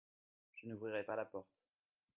Je n'ouvrirai pas la porte.